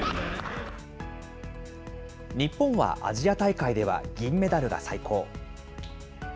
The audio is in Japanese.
日本はアジア大会では銀メダルが最高。